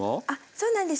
そうなんです